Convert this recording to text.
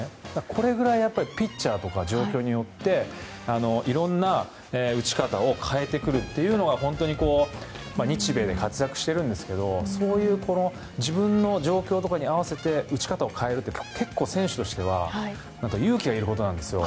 これぐらいピッチャーとか状況によっていろんな打ち方を変えてくるというのが日米で活躍してるんですけどそういう自分の状況に合わせて打ち方を変えるって結構、選手としては勇気がいることなんですよ。